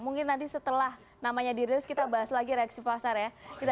mungkin nanti setelah namanya dirilis kita bahas lagi reaksi pasar ya